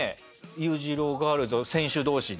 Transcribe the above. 裕二郎ガールズを選手同士で。